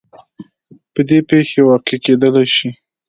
بدې پېښې واقع کېدلی شي.